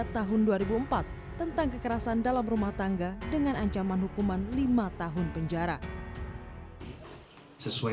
tahun dua ribu empat tentang kekerasan dalam rumah tangga dengan ancaman hukuman lima tahun penjara sesuai